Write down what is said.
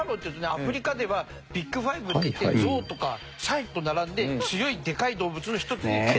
アフリカではＢＩＧ５っていってゾウとかサイと並んで強いでかい動物の一つに数えられています。